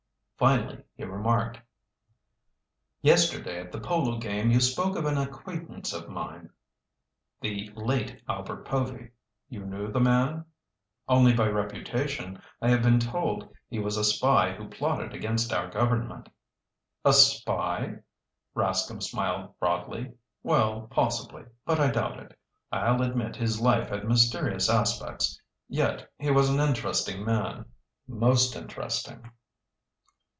Finally he remarked: "Yesterday at the polo game you spoke of an acquaintance of mine, the late Albert Povy. You knew the man?" "Only by reputation. I have been told he was a spy who plotted against our government." "A spy?" Rascomb smiled broadly. "Well, possibly, but I doubt it. I'll admit his life had mysterious aspects. Yet he was an interesting man, most interesting."